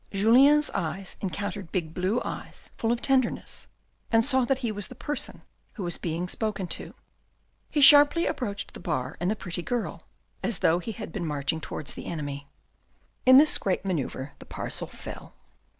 Julien's eyes encountered big blue eyes full of tenderness, and saw that he was the person who was being spoken to. He sharply approached the bar and the pretty girl, as though he had been marching towards the enemy. In this great manoeuvre the parcel fell.